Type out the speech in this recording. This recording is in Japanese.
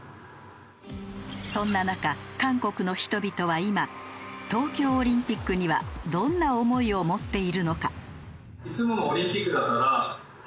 そんな中韓国の人々は今東京オリンピックにはどんな思いを持っているのか。